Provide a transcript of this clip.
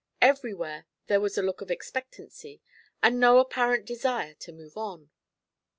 Everywhere there was a look of expectancy, and no apparent desire to move on.